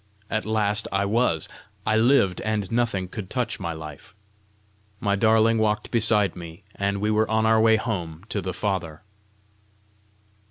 At last I was! I lived, and nothing could touch my life! My darling walked beside me, and we were on our way home to the Father!